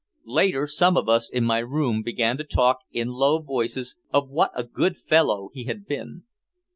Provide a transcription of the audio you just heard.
Later some of us in my room began to talk in low voices of what a good fellow he had been.